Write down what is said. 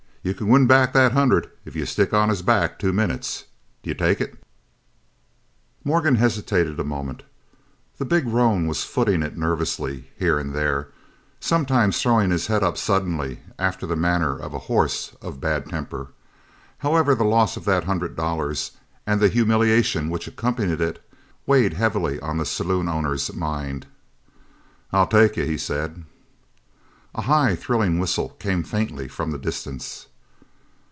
You c'n win back that hundred if you stick on his back two minutes. D'you take it?" Morgan hesitated a moment. The big roan was footing it nervously here and there, sometimes throwing up his head suddenly after the manner of a horse of bad temper. However, the loss of that hundred dollars and the humiliation which accompanied it, weighed heavily on the saloon owner's mind. "I'll take you," he said. A high, thrilling whistle came faintly from the distance.